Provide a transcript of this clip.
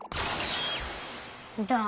どう？